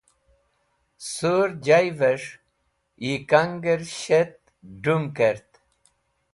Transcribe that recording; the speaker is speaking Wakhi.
Surjavẽs̃h yikangẽr shet dũm kert.